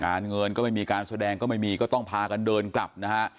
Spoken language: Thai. เงินก็ไม่มีการแสดงก็ไม่มีก็ต้องพากันเดินกลับนะฮะ